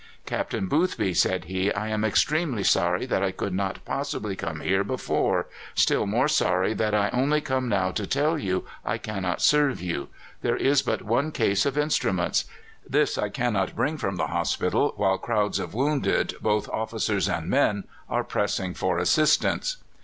"Captain Boothby," said he, "I am extremely sorry that I could not possibly come here before, still more sorry that I only come now to tell you I cannot serve you. There is but one case of instruments. This I cannot bring from the hospital while crowds of wounded, both officers and men, are pressing for assistance."